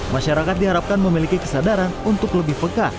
masyarakat diharapkan memiliki kesadaran untuk lebih peka